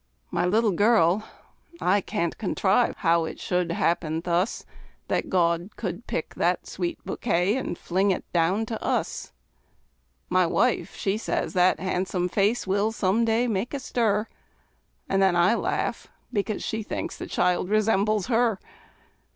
My little girl I can't contrive how it should happen thus That God could pick that sweet bouquet, and fling it down to us! My wife, she says that han'some face will some day make a stir; And then I laugh, because she thinks the child resembles her.